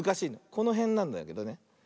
このへんなんだけどね。